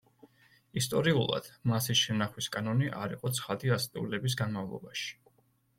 ისტორიულად, მასის შენახვის კანონი არ იყო ცხადი ასწლეულების განმავლობაში.